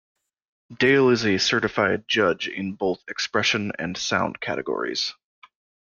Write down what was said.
Dale is a certified judge in both Expression and Sound Categories.